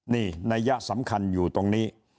นี่นัยยะสำคัญอยู่ตรงนี้